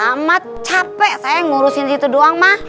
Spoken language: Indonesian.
amat capek saya ngurusin itu doang mah